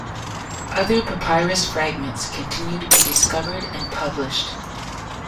Other papyrus fragments continue to be discovered and published.